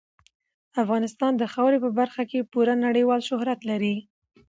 افغانستان د خاورې په برخه کې پوره نړیوال شهرت لري.